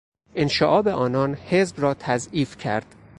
انشعاب آنان حزب را تضعیف کرد.